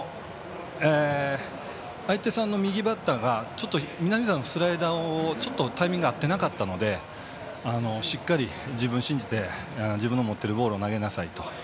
相手さんの右バッターが南澤のスライダーにタイミング合っていなかったのでしっかり自分を信じて自分の持っているボールを投げなさいと。